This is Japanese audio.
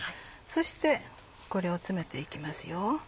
そしてこれを詰めて行きます。